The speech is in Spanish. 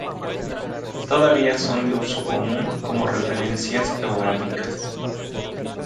Todavía son de uso común como referencias geográficas.